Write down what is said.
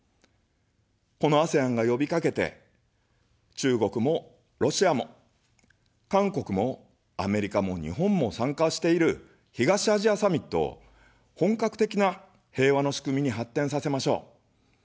このＡＳＥＡＮがよびかけて、中国もロシアも韓国もアメリカも日本も参加している、東アジアサミットを本格的な平和の仕組みに発展させましょう。